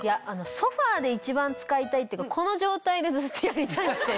ソファで一番使いたいっていうかこの状態でずっとやりたいっていう。